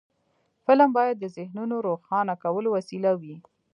فلم باید د ذهنونو روښانه کولو وسیله وي